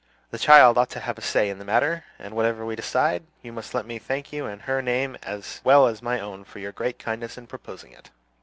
"The child ought to have a say in the matter; and whatever we decide, you must let me thank you in her name as well as my own for your great kindness in proposing it."